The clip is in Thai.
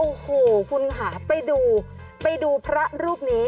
โอ้โหคุณค่ะไปดูไปดูพระรูปนี้